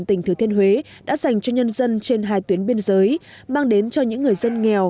đồng bào của tp hcm đã dành cho nhân dân trên hai tuyến biên giới mang đến cho những người dân nghèo